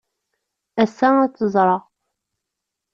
Ass-a, ad tt-ẓreɣ.